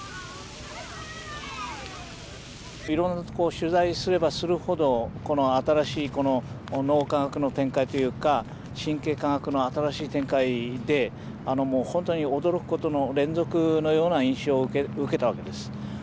取材すればするほどこの新しい脳科学の展開というか神経科学の新しい展開で本当に驚くことの連続のような印象を受けたわけです。